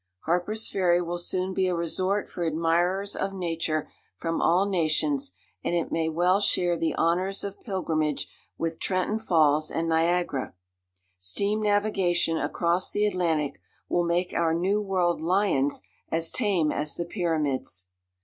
Harper's Ferry will soon be a resort for admirers of nature from all nations, and it may well share the honours of pilgrimage with Trenton Falls and Niagara. Steam navigation across the Atlantic will make our New World lions as tame as the Pyramids.